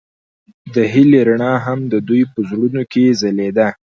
د هیلې رڼا هم د دوی په زړونو کې ځلېده.